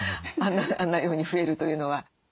あんなように増えるというのは。